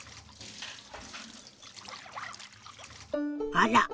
あら！